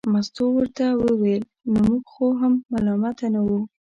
مستو ورته وویل نو موږ خو هم ملامته نه وو.